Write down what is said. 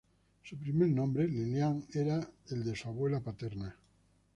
Su primer nombre, Liliane, era el de su abuela paterna.